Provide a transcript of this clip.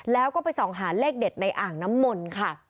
แล้วก็ไปส่องหาเลขเด็ดในอ่างน้ำมนต์ค่ะ